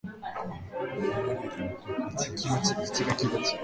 子守唄の心地よさ